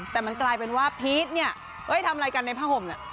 แต่มันกลายเป็นว่าพีชเนี่ยเฮ้ยทำอะไรกันในผ้าห่มเนี่ย